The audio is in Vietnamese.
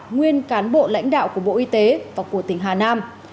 nguyên cán bộ lãnh đạo của bộ y tế và của tỉnh hà nam